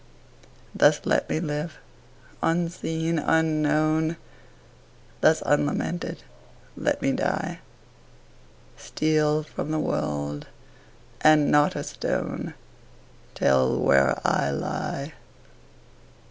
Thus let me live, unseen, unknown; Thus unlamented let me die; Steal from the world, and not a stone Tell where I lie.